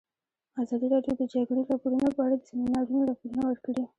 ازادي راډیو د د جګړې راپورونه په اړه د سیمینارونو راپورونه ورکړي.